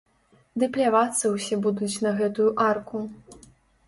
Ды плявацца ўсе будуць на гэтую арку.